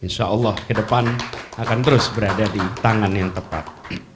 insya allah ke depan akan terus berada di tangan yang tepat